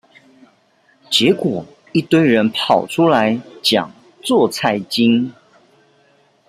結果一堆人跑出來講做菜經